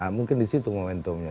mungkin di situ momentumnya